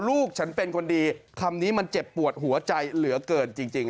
ลูกฉันเป็นคนดีคำนี้มันเจ็บปวดหัวใจเหลือเกินจริง